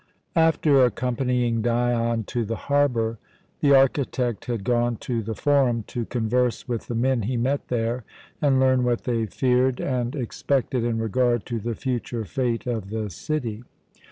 After accompanying Dion to the harbour, the architect had gone to the Forum to converse with the men he met there, and learn what they feared and expected in regard to the future fate of the city.